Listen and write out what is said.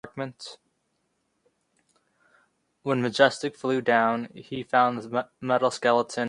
Adaptive behavior may be affected by mechanisms in the brain that lead to addiction.